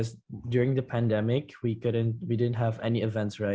semasa pandemi kita tidak memiliki acara yang benar